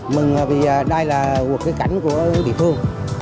mừng vì đây là cuộc cái cảnh của địa phương